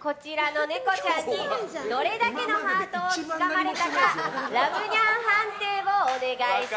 こちらのネコちゃんにどれだけのハートをつかまれたかラブニャン判定をお願いします。